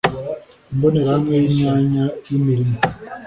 Imbonerahamwe y’imyanya y’imirimo